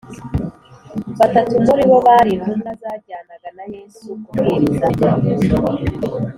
Batatu muri bo bari intumwa zajyanaga na Yesu kubwiriza